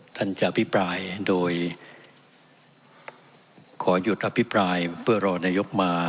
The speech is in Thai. ท่านจะอภิปรายโดยขอหยุดอภิปรายเพื่อรอนายกมา